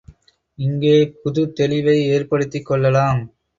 இங்கே ஒரு புதுத்தெளிவை ஏற்படுத்திக் கொள்ளலாம்.